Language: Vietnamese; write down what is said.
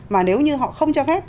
mà nếu như họ không cho phép